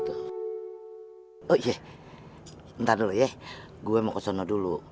oh iya ntar dulu ya gue mau ke sana dulu